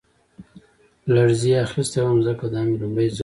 لړزې اخیستی وم ځکه دا مې لومړی ځل و